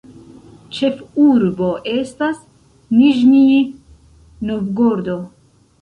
Ĉefurbo estas Niĵnij Novgorod.